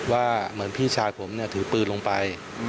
ว่าเหมือนพี่ชายผมถือปืนลงไป